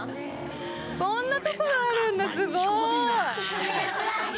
こんなところあるんだ、すごーい！